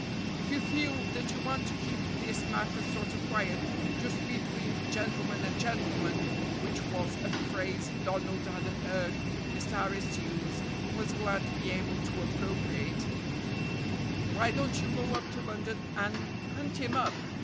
If you feel that you want to keep this matter sort of quiet, just between gentleman and gentleman (which was a phrase Donald had heard Mr. Harris use, and was glad to be able to appropriate), why don't you go up to London and hunt him up?